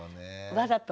わざと？